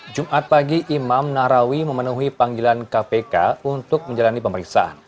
jumat pagi imam nahrawi memenuhi panggilan kpk untuk menjalani pemeriksaan